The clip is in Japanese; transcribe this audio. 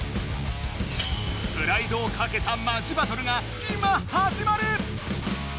プライドをかけたマジバトルが今はじまる！